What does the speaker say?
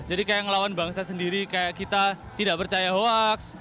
jadi kayak ngelawan bangsa sendiri kayak kita tidak percaya hoaks